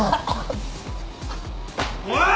おい‼